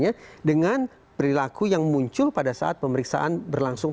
ya dengan perilaku yang muncul pada saat pemeriksaan berlangsung